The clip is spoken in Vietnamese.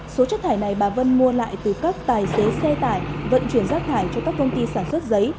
số chất thải này bà vân mua lại từ các tài xế xe tải vận chuyển rác thải cho các công ty sản xuất giấy